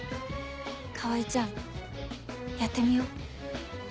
川合ちゃんやってみよう。